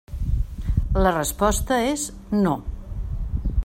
La resposta és no.